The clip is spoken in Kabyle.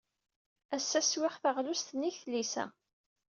Ass-a, swiɣ taɣlust nnig tlisa.